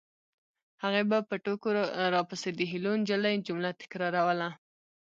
هغې به په ټوکو راپسې د هیلو نجلۍ جمله تکراروله